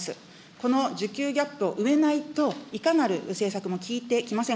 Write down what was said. この需給ギャップを埋めないと、政策も効いてきません。